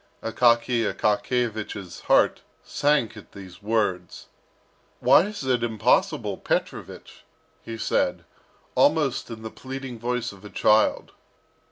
Akaky Akakiyevich's heart sank at these words. "Why is it impossible, Petrovich?" he said, almost in the pleading voice of a child.